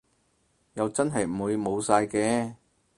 又真係唔會冇晒嘅